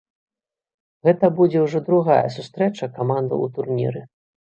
Гэта будзе ўжо другая сустрэча камандаў у турніры.